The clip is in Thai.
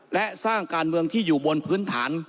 และสร้างการเมืองที่อยู่บนพื้นฐาน